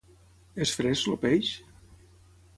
És fresc, el peix?